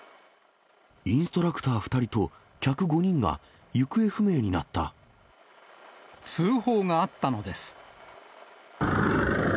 インストラクター２人と客５通報があったのです。